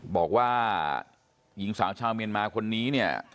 บอกว่าหญิงสาวชาวเมียนมาคนนี้เนี่ย